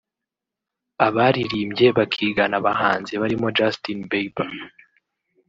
abaririmbye bakigana abahanzi barimo Justin Bieber